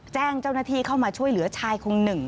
แจ้งเจ้าหน้าที่เข้ามาช่วยเหลือชายคนหนึ่ง